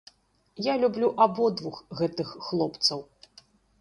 Я люблю абодвух гэтых хлопцаў!